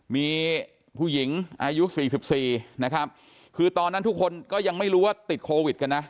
มีผู้หญิงอายุ๔๔นะครับคือตอนนั้นทุกคนก็ยังไม่รู้ว่าติดโควิดกันนะ